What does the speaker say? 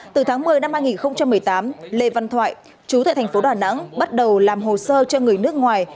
từ tháng một mươi năm hai nghìn một mươi tám lê văn thoại chú tại thành phố đà nẵng bắt đầu làm hồ sơ cho người nước ngoài